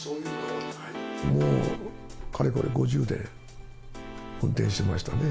もうかれこれ５０年、運転してましたね。